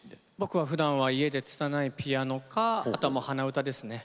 ふだん僕は家でつたないピアノかあとは鼻歌ですね。